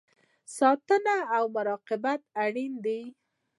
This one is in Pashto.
ساتنه او مراقبت اړین دی